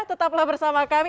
tetaplah bersama kami